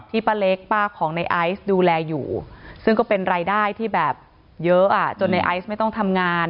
ป้าเล็กป้าของในไอซ์ดูแลอยู่ซึ่งก็เป็นรายได้ที่แบบเยอะจนในไอซ์ไม่ต้องทำงาน